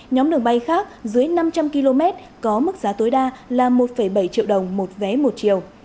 nhóm đường bay khác dưới năm trăm linh km có mức giá tối đa là một bảy triệu đồng một vé một chiều